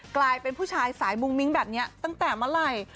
กลายเป็นผู้ชายสายมุ้งมิ้งแบบนี้ตั้งแต่เมื่อไหร่